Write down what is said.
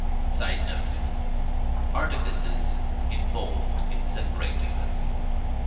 [Sidenote: Artifices involved in separating them.